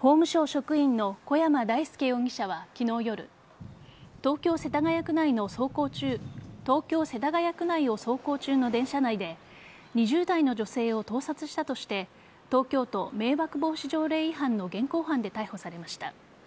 法務省職員の小山大助容疑者は昨日夜東京・世田谷区内を走行中の電車内で２０代の女性を盗撮したとして東京都迷惑防止条例違反の現行犯で逮捕されました。